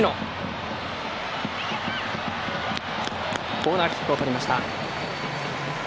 コーナーキックをとりました。